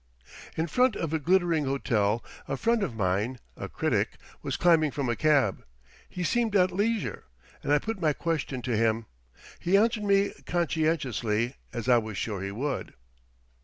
In front of a glittering hotel a friend of mine, a critic, was climbing from a cab. He seemed at leisure; and I put my question to him. He answered me conscientiously, as I was sure he would.